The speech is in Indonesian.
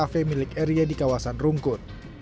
kave milik erye di kawasan rungkut